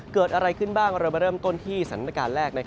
เกิดอะไรขึ้นบ้างเรามาเริ่มต้นที่สถานการณ์แรก